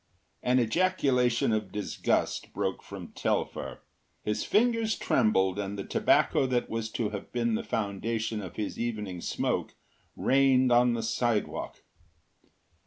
” An ejaculation of disgust broke from Telfer: his fingers trembled and the tobacco that was to have been the foundation of his evening smoke rained on the sidewalk.